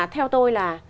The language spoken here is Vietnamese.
theo tôi là